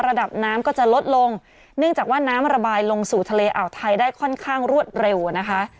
ระดับน้ำก็จะลดลงเนื่องจากว่าน้ำระบายลงสู่ทะเลอ่าวไทยได้ค่อนข้างรวดเร็วนะคะ